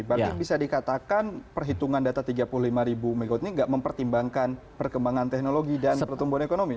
berarti bisa dikatakan perhitungan data tiga puluh lima ribu megawatt ini tidak mempertimbangkan perkembangan teknologi dan pertumbuhan ekonomi